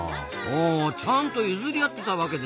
ほうちゃんと譲り合ってたわけですか！